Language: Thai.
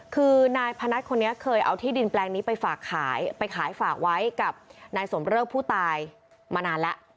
คือนายพนัทคนนี้เคยเอาที่ดินแปลงนี้ไปฝากขายไปขายฝากไว้กับนายสมเริกผู้ตายมานานแล้ว